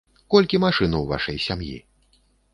Колькі машын у вашай сям'і?